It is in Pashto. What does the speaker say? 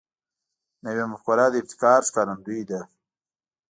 نوې مفکوره د ابتکار ښکارندوی ده